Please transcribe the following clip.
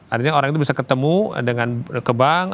artinya orang itu bisa ketemu dengan ke bank